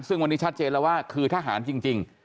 ซึ่งวันนี้ชัดเจนแล้วว่าคือทหารจริง